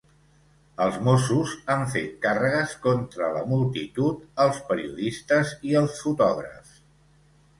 Els mossos han fet càrregues contra la multitud, els periodistes i els fotògrafs.